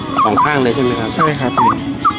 ของข้างนั้นใช่ไหมครับอ่า